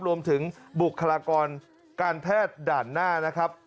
รวมถึงบุคลากรการแพทย์ด่านหน้านะครับ